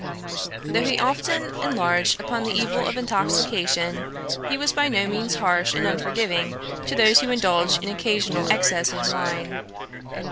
Though he often enlarged upon the evil of intoxication, he was by no means harsh and unforgiving to those who indulged in occasional excess in wine.